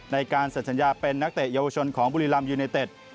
ในการเสร็จสัญญาเป็นนักเตะเยาวชนของบุรีรำยูไนเต็ด